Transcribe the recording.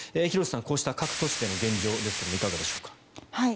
廣瀬さん、こうした各都市での現状ですがいかがでしょうか。